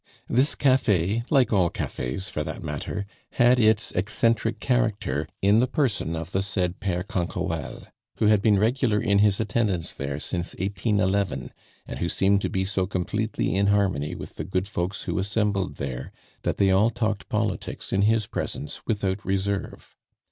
This cafe, like all cafes for that matter, had its eccentric character in the person of the said Pere Canquoelle, who had been regular in his attendance there since 1811, and who seemed to be so completely in harmony with the good folks who assembled there, that they all talked politics in his presence without reserve.